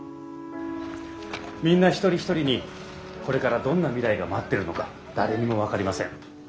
みんな一人一人にこれからどんな未来が待ってるのか誰にも分かりません。